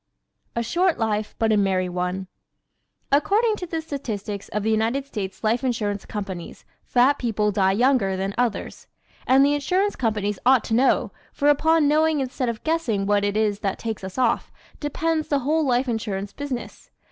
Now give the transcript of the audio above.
A Short Life But a Merry One ¶ According to the statistics of the United States Life Insurance Companies fat people die younger than others. And the Insurance Companies ought to know, for upon knowing instead of guessing what it is that takes us off, depends the whole life insurance business.